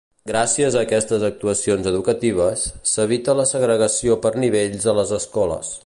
Gràcies a aquestes actuacions educatives, s'evita la segregació per nivells a les escoles.